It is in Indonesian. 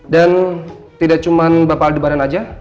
dan tidak cuman bapak aldebaran aja